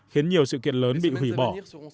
khiến nhiều sự kiện lớn bị hủy bỏ